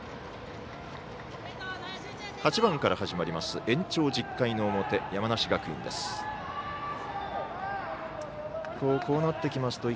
８番から始まります。